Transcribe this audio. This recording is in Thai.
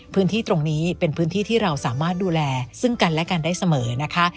พื้นที่ตรงนี้เป็นพื้นที่ที่เราสามารถดูแลซึ่งกันและกันได้เสมอนะคะ